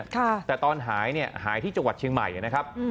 แต่ตอนหายเนี่ยหายที่จังหวัดเชียงใหม่นะครับ